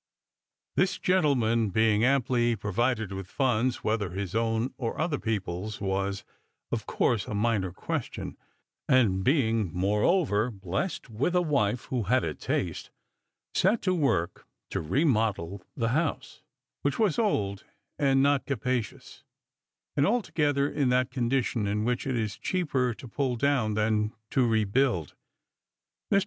This gentleman, being amply provided with funds — whether his own or otlier people's was, of course, a minor question — and being, moreover, blessed with a wife who had a taste, set to work to remodel the house, which was old and not capacious, and al together in that condition in which it is cheaper to pull down than to rebuild. Mr.